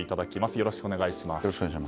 よろしくお願いします。